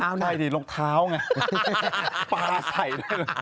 อ้าวนี่ลงท้าวไงปลาใส่ด้วย